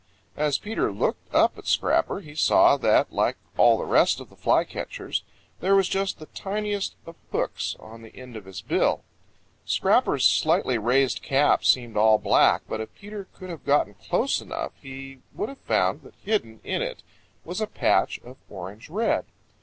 As Peter looked up at Scrapper he saw that, like all the rest of the flycatchers, there was just the tiniest of hooks on the end of his bill. Scrapper's slightly raised cap seemed all black, but if Peter could have gotten close enough, he would have found that hidden in it was a patch of orange red.